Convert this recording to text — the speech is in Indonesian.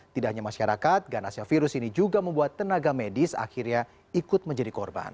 tidak hanya masyarakat ganasnya virus ini juga membuat tenaga medis akhirnya ikut menjadi korban